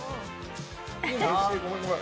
ごめんごめん。